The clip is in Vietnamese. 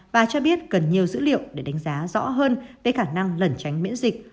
và cho biết cần nhiều dữ liệu để đánh giá rõ hơn tới khả năng lẩn tránh miễn dịch